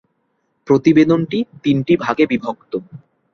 প্রতিবেদনটি তিনটি ভাগে বিভক্ত।